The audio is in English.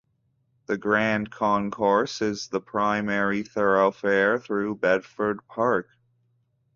The Grand Concourse is the primary thoroughfare through Bedford Park.